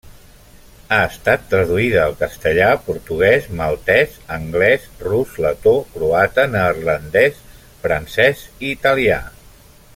Ha estat traduïda al castellà, portuguès, maltès anglès, rus, letó, croata, neerlandès, francès i italià.